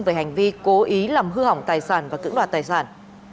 về hành vi cố ý làm hư hỏng tài sản và cưỡng đoạt tài sản